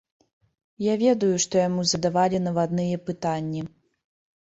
Я ведаю, што яму задавалі навадныя пытанні.